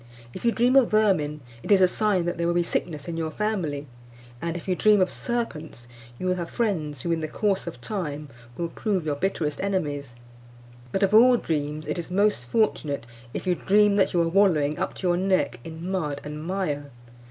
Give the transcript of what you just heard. If you dream of vermin, it is a sign that there will be sickness in your family; and if you dream of serpents, you will have friends who, in the course of time, will prove your bitterest enemies; but, of all dreams, it is most fortunate if you dream that you are wallowing up to your neck in mud and mire.